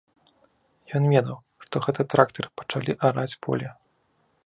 Ён ведаў, што гэта трактары пачалі араць поле.